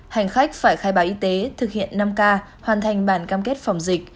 hành khách phải khai báo y tế thực hiện năm k hoàn thành bản cam kết phòng dịch